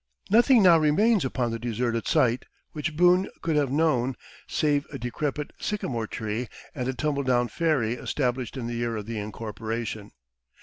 Nothing now remains upon the deserted site, which Boone could have known, save a decrepit sycamore tree and a tumble down ferry established in the year of the incorporation.